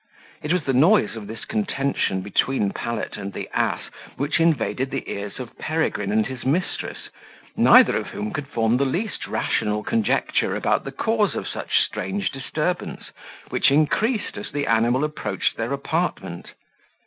It was the noise of this contention between Pallet and the ass which invaded the ears of Peregrine and his mistress, neither of whom could form the least rational conjecture about the cause of such strange disturbance, which increased as the animal approached their apartment.